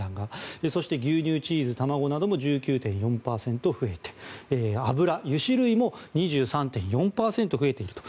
そして、牛乳、チーズ、卵なども１９．４％増えて油、油脂類も２３．４％増えていると。